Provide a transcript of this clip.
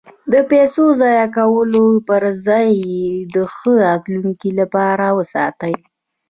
د پیسو د ضایع کولو پرځای یې د ښه راتلونکي لپاره وساتئ.